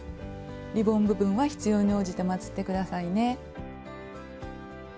リボン部分は必要に応じてまつって下さいね。